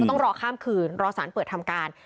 ต้องรอข้ามคืนรอสารเปิดทำการ